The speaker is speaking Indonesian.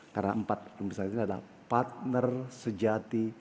karena empat investasi ini adalah partner sejati